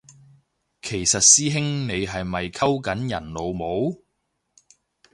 其實師兄你係咪溝緊人老母？